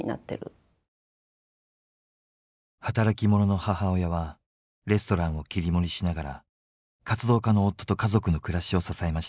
働き者の母親はレストランを切り盛りしながら活動家の夫と家族の暮らしを支えました。